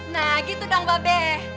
nah gitu dong mbak peh